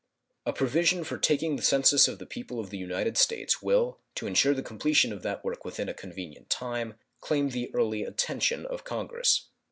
A provision for taking the census of the people of the United States will, to insure the completion of that work within a convenient time, claim the early attention of Congress.